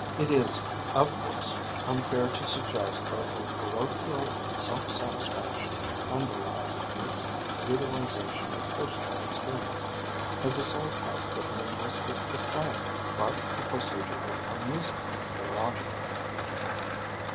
It is, of course, unfair to suggest that a parochial self satisfaction underlies this utilization of personal experience as the sole test of linguistic propriety; but the procedure is amusingly illogical.